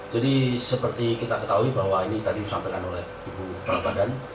jadi seperti kita ketahui bahwa ini tadi disampaikan oleh ibu badan